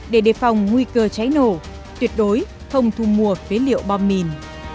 để đề phòng nguy cơ cháy nổ tuyệt đối không thu mua phế liệu bom mìn